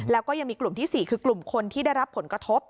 แล้วก็ยังมีกลุ่มที่๔คือกลุ่มคนที่ได้รับผลกระทบ